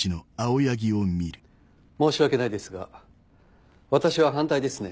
申し訳ないですが私は反対ですね。